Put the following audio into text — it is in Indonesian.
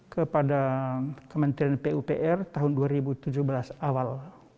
kepada kementerian pupr tahun dua ribu tujuh belas awal